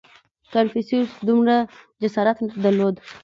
• کنفوسیوس دومره جسارت درلود.